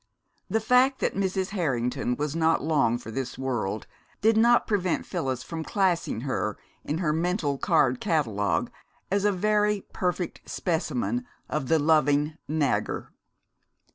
The fact that Mrs. Harrington was not long for this world did not prevent Phyllis from classing her, in her mental card catalogue, as a very perfect specimen of the Loving Nagger.